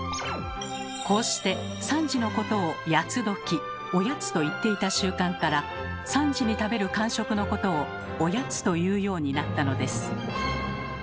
こうして３時のことを「八つ刻」「御八つ」と言っていた習慣から３時に食べる間食のことを「おやつ」と言うようになったのです。